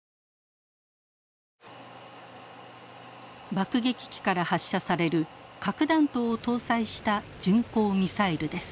爆撃機から発射される核弾頭を搭載した巡航ミサイルです。